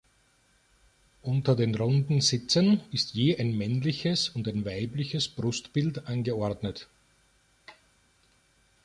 Unter den runden Sitzen ist je ein männliches und ein weibliches Brustbild angeordnet.